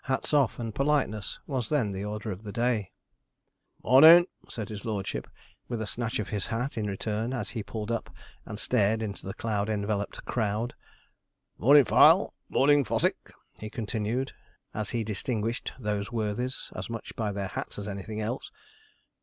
Hats off and politeness was then the order of the day. 'Mornin',' said his lordship, with a snatch of his hat in return, as he pulled up and stared into the cloud enveloped crowd; 'Mornin', Fyle; mornin', Fossick,' he continued, as he distinguished those worthies, as much by their hats as anything else.